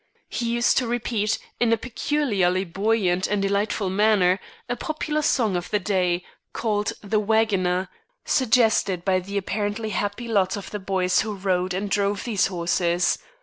He used to repeat, in a peculiarly buoyant and delightful manner, a popular song of the day, called "The Wagoner," suggested by the apparently happy lot of the boys who rode and drove these horses.